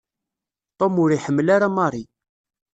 Tom ur iḥemmel ara Mary.